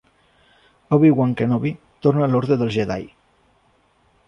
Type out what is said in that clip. Obi-Wan Kenobi torna a l'Ordre dels Jedi.